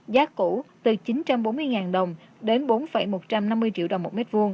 giá cũ từ chín trăm bốn mươi đồng đến bốn một trăm năm mươi triệu đồng một m hai